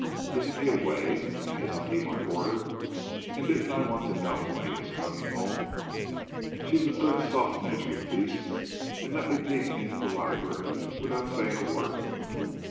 Isn't he away, and isn't he my boarder, and didn't I want to know when he was coming home? She's a soft, good natured piece, and let me peek into the library without saying a word.